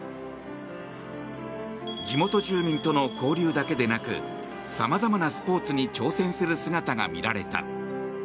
地元住民との交流だけでなくさまざまなスポーツに挑戦する姿が見られた。